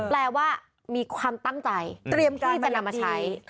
แปลว่ามีความตั้งใจเตรียมที่จะนำมาใช้